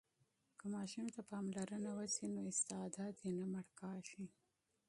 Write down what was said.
که ماشوم ته پاملرنه وسي نو استعداد یې نه مړ کېږي.